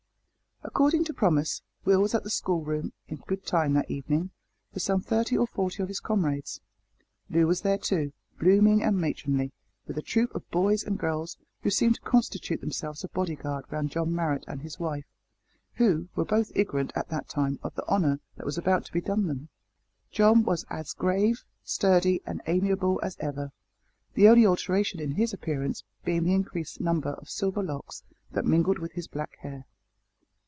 According to promise, Will was at the schoolroom in good time that evening, with some thirty or forty of his comrades. Loo was there too, blooming and matronly, with a troop of boys and girls, who seemed to constitute themselves a body guard round John Marrot and his wife, who were both ignorant at that time of the honour that was about to be done them. John was as grave, sturdy, and amiable as ever, the only alteration in his appearance being the increased number of silver locks that mingled with his black hair.